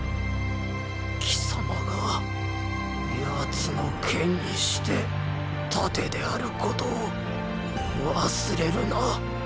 貴様が奴の“剣”にして“盾”であることを忘れるな。